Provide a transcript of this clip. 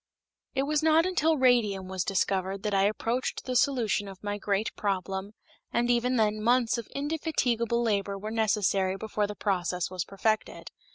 It was not until radium was discovered that I approached the solution of my great problem, and even then months of indefatigable labor were necessary before the process was perfected.